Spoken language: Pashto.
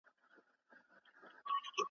کمپيوټر پارچې بدلوي.